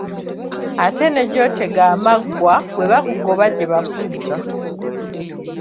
Ate ne gy'otega amaggwa bwe bakugoba gye bakuzza.